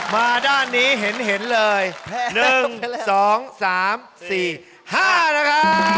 มาด้านนี้เห็นเลย๑๒๓๔๕นะครับ